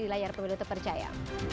di layar pemilu tepercaya